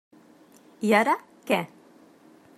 I ara, què?